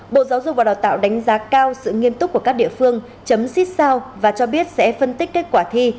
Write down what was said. bộ giáo dục và đào tạo đánh giá cao sự nghiêm túc của các địa phương chấm xích sao và cho biết sẽ phân tích kết quả thi